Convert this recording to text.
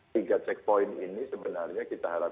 sehingga checkpoint ini sebenarnya kita harap